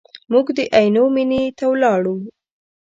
موږ د عینو مینې ته ولاړو.